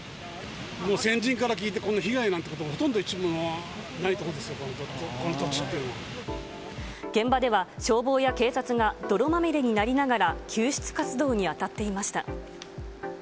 もう先人から聞いて、この被害なんてこと、ほとんどない所ですので、この土地っていう現場では、消防や警察が、泥まみれになりながら、救出活動に当たっていました。